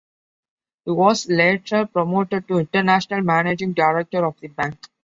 He was later promoted to international managing director of the bank.